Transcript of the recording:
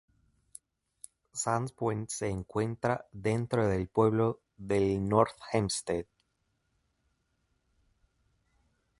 Sands Point se encuentra dentro del pueblo de North Hempstead.